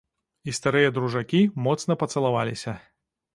І старыя дружакі моцна пацалаваліся.